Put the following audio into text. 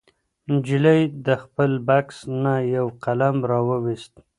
نجلۍ د خپل بکس نه یو قلم راوویست.